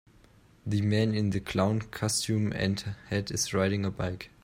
The man in the clown costume and hat is riding a bike